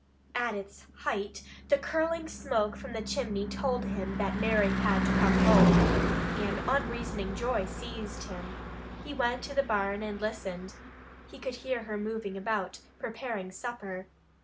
At its height the curling smoke from the chimney told him that Mary had come home. An unreasoning joy seized him. He went to the barn and listened. He could hear her moving about preparing supper.